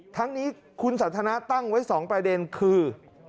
ทั้งนี้คุณสันทนาตั้งไว้๒ประเด็นคือ